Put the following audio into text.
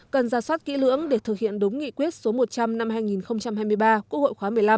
cần ra soát kỹ lưỡng để thực hiện đúng nghị quyết số một trăm linh năm hai nghìn hai mươi ba quốc hội khóa một mươi năm